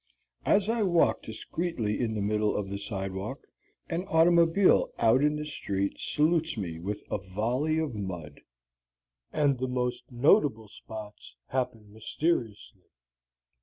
As I walk discreetly in the middle of the sidewalk, an automobile out in the street salutes me with a volley of mud. And the most notable spots happen mysteriously.